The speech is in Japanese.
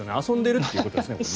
遊んでいるということですね。